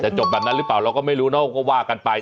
จบแบบนั้นหรือเปล่าเราก็ไม่รู้เนอะก็ว่ากันไป